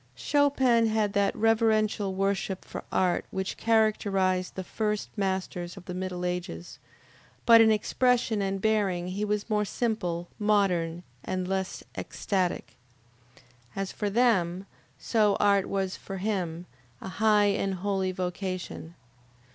Chopin had that reverential worship for art which characterized the first masters of the middle ages, but in expression and bearing he was more simple, modern, and less ecstatic. As for them, so art was for him, a high and holy vocation.